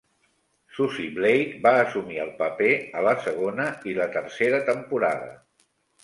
Susie Blake va assumir el paper a la segona i la tercera temporada.